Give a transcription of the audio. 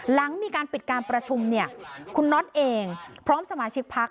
หลังมีการปิดการประชุมเนี่ยคุณน็อตเองพร้อมสมาชิกพัก